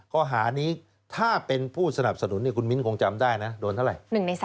ข้อหานี้ถ้าเป็นผู้สนับสนุนคุณมิ้นคงจำได้นะโดนเท่าไหร่